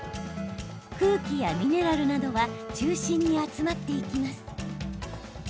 空気やミネラルなどは中心に集まっていきます。